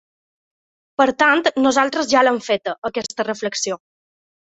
Per tant, nosaltres ja l’hem feta, aquesta reflexió.